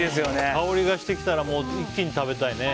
香りがしてきたら一気に食べたいね。